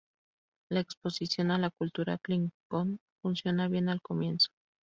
La exposición a la cultura Klingon funciona bien al comienzo.